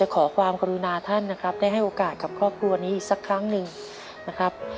ขอความกรุณาท่านนะครับได้ให้โอกาสกับครอบครัวนี้อีกสักครั้งหนึ่งนะครับ